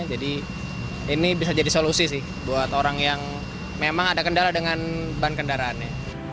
jadi ini bisa jadi solusi sih buat orang yang memang ada kendaraan dengan ban kendaraannya